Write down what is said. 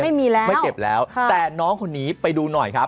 ไม่มีแล้วไม่เก็บแล้วแต่น้องคนนี้ไปดูหน่อยครับ